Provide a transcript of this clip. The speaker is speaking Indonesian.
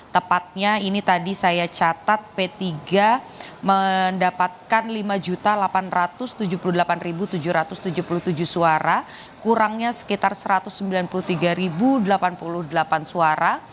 tepatnya ini tadi saya catat p tiga mendapatkan lima delapan ratus tujuh puluh delapan tujuh ratus tujuh puluh tujuh suara kurangnya sekitar satu ratus sembilan puluh tiga delapan puluh delapan suara